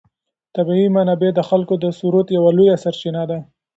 طبیعي منابع د خلکو د ثروت یوه لویه سرچینه ده.